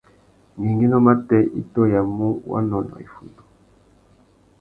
Ngüéngüinô matê i tôyamú wanônōh iffundu.